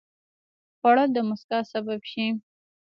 خوړل د مسکا سبب شي